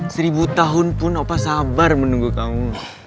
seribu tahun pun opa sabar menunggu kamu